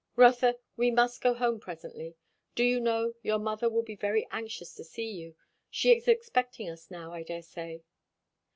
"Rotha we must go home presently. Do you know, your mother will be very anxious to see you. She is expecting us now, I dare say."